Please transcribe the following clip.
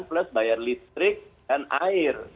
plus bayar listrik dan air